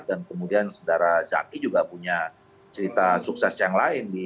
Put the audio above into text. dan kemudian saudara zaky juga punya cerita sukses yang lain